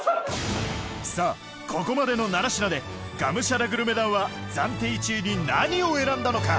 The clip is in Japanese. さぁここまでの７品でがむしゃらグルメ団は暫定１位に何を選んだのか？